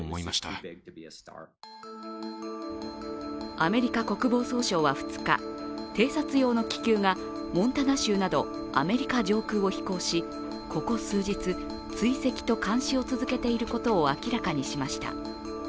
アメリカ国防総省は２日、偵察用の気球がモンタナ州などアメリカ上空を飛行し、ここ数日、追跡と監視を続けていることを明らかにしました。